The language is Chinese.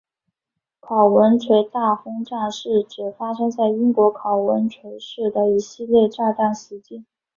考文垂大轰炸是指发生在英国考文垂市的一系列炸弹袭击。